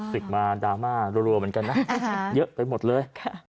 ศึกมาดราม่ารัวเหมือนกันนะเยอะไปหมดเลย